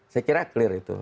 saya kira clear itu